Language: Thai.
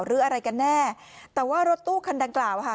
หรืออะไรกันแน่แต่ว่ารถตู้คันดังกล่าวค่ะ